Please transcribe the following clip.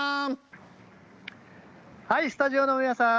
スタジオの皆さん